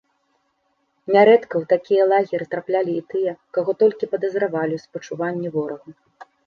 Нярэдка ў такія лагеры траплялі і тыя, каго толькі падазравалі ў спачуванні ворагу.